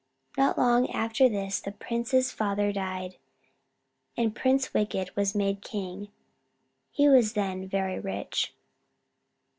Not long after this the prince's father died, and Prince Wicked was made king. He was then very rich.